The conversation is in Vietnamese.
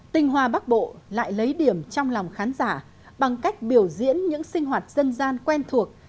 tinh hoa bắc bộ lại lấy điểm trong lòng khán giả bằng cách biểu diễn những sinh hoạt dân gian quen thuộc